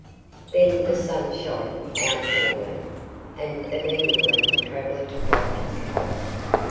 Then the Sun shined out warmly, and immediately the traveler took off his cloak.